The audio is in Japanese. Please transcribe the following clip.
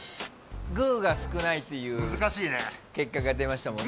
グーが少ないっていう結果が出ましたもんね。